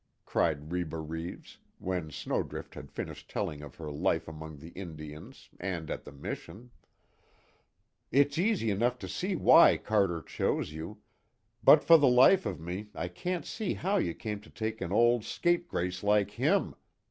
cried Reba Reeves, when Snowdrift had finished telling of her life among the Indians, and at the mission, "It's easy enough to see why Carter chose you, but for the life of me I can't see how you came to take an old scapegrace like him!"